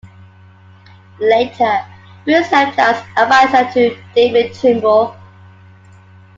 Later, Bew served as an adviser to David Trimble.